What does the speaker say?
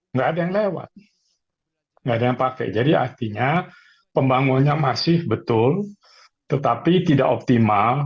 nggak ada yang lewat nggak ada yang pakai jadi artinya pembangunannya masih betul tetapi tidak optimal